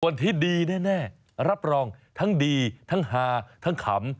ส่วนที่ดีแน่รับรองทั้งดีทั้งฮาทั้งขำ